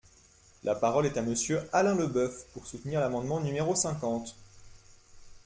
La parole est à Monsieur Alain Leboeuf, pour soutenir l’amendement numéro cinquante.